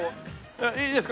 いいですか？